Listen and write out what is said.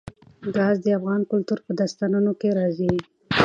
ګاز د افغان کلتور په داستانونو کې راځي.